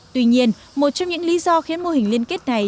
tuy nhiên một trong những lý do khiến mô hình liên kết này